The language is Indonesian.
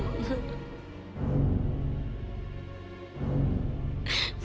aku di rumah